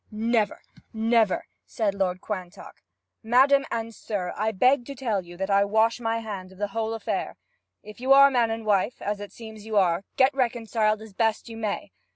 'Never! never!' said Lord Quantock. 'Madam, and sir, I beg to tell you that I wash my hands of the whole affair! If you are man and wife, as it seems you are, get reconciled as best you may.